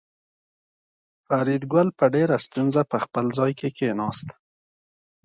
فریدګل په ډېره ستونزه په خپل ځای کې کېناست